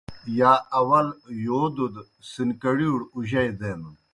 اخر شرِیؤ یا اول یودوْ دہ سِنکڑِیؤڑ اُجَئی دینَن۔